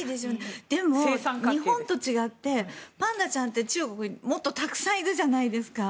でも、日本と違ってパンダちゃんって中国にもっとたくさんいるじゃないですか。